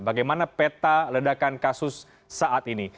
bagaimana peta ledakan kasus saat ini